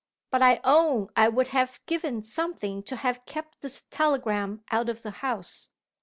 But I own I would have given something to have kept this telegram out of the house.